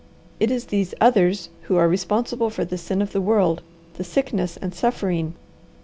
It is these 'others' who are responsible for the sin of the world, the sickness and suffering.